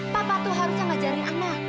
papa tuh harus ngajarin ana